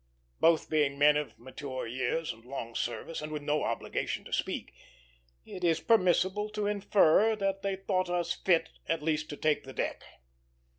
Both being men of mature years and long service, and with no obligation to speak, it is permissible to infer that they thought us fit at least to take the deck.